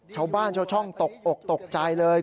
ชาวบ้านชาวช่องตกอกตกใจเลย